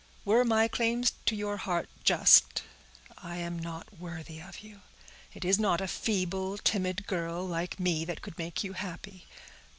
Were my claims to your heart just, I am not worthy of you. It is not a feeble, timid girl, like me, that could make you happy.